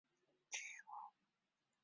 黄猄草为爵床科马蓝属的植物。